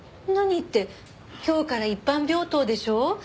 何って今日から一般病棟でしょ？